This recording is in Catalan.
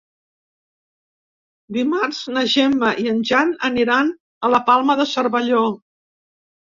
Dimarts na Gemma i en Jan aniran a la Palma de Cervelló.